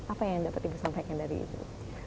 apa yang dapat ibu sampaikan dari ibu